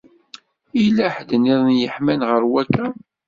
Yella ḥedd nniḍen yeḥman ɣer wakka?